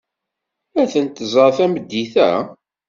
Ad tent-tẓer tameddit-a.